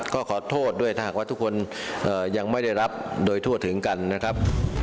ก็ขอโทษด้วยถ้าหากว่าทุกคนยังไม่ได้รับโดยทั่วถึงกันนะครับ